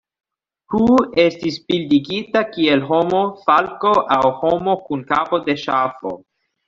Hu estis bildigita kiel homo, falko aŭ homo kun kapo de ŝafo.